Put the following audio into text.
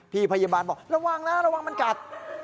พี่พยาบาลบอกระวังนะระวังมันกัด